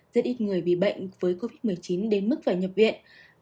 rất ít người bị bệnh với covid một mươi chín đến mức phải nhập viện